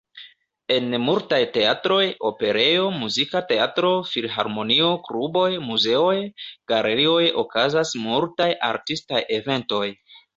En multaj teatroj, operejo, muzika teatro, filharmonio, kluboj, muzeoj, galerioj, okazas multaj artistaj eventoj.